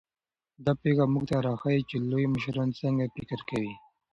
دا پېښه موږ ته راښيي چې لوی مشران څنګه فکر کوي.